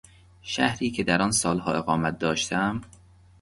شهری که در آن سالها اقامت داشتم